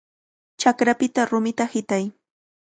¡Chakrapita rumita hitay!